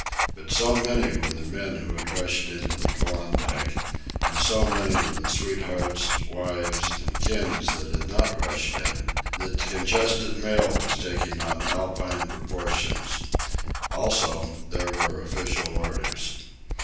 But so many were the men who had rushed into the Klondike, and so many were the sweethearts, wives, and kin that had not rushed in, that the congested mail was taking on Alpine proportions; also, there were official orders.